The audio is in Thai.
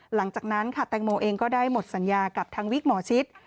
หลังจากนั้นค่ะแตงโมเองก็ได้หมดสัญญากับทางวิกหมอชิต